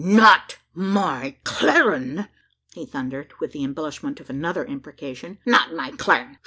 "Not my clarin'!" he thundered, with the embellishment of another imprecation "not my clarin'!